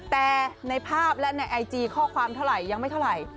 แต่ในภาพและในไอจีข้อความเท่าไหร่ยังไม่เท่าไหร่